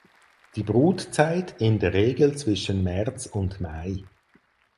Die Brutzeit in der Regel zwischen März und Mai.